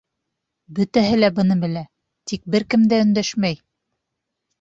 Бөтәһе лә быны белә, тик бер кем дә өндәшмәй.